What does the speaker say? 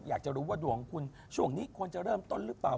อยากจะรู้ว่าดวงของคุณช่วงนี้ควรจะเริ่มต้นหรือเปล่า